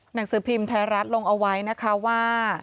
หนังสือพิมพ์ไทยรัฐลงเอาไว้นะคะว่า